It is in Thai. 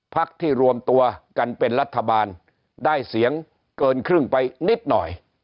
พักที่รวมตัวกันเป็นรัฐบาลได้เสียงเกินครึ่งไปนิดหน่อย